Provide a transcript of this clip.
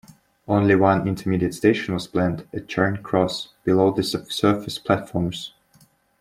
Only one intermediate station was planned, at Charing Cross, below the sub-surface platforms.